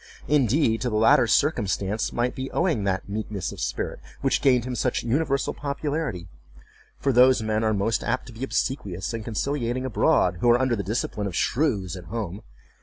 Indeed, to the latter circumstance might be owing that meekness of spirit which gained him such universal popularity; for those men are most apt to be obsequious and conciliating abroad, who are under the discipline of shrews at home.